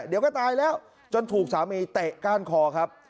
เดี๋ยวก็ตายแล้วจนถูกสามีเตะก้านคอครับ